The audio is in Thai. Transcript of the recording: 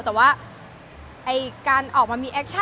ต่อว่าเกินร้อยก็แล้ว